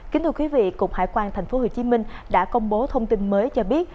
kính thưa quý vị cục hải quan tp hcm đã công bố thông tin mới cho biết